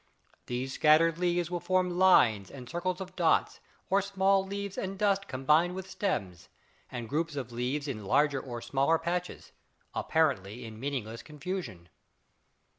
These scattered leaves will form lines and circles of dots or small leaves and dust combined with stems, and groups of leaves in larger or smaller patches: apparently in meaningless confusion.